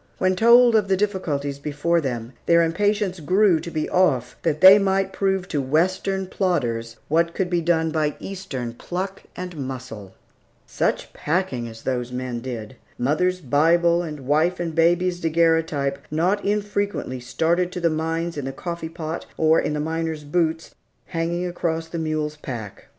When told of the difficulties before them, their impatience grew to be off, that they might prove to Western plodders what could be done by Eastern pluck and muscle. Such packing as those men did! Mother's Bible, and wife and baby's daguerreotype not infrequently started to the mines in the coffee pot, or in the miner's boots, hanging across the mule's pack.